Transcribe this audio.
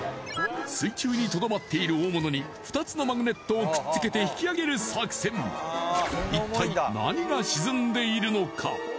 水中にとどまっている大物に２つのマグネットをくっつけて引きあげる作戦一体何が沈んでいるのか？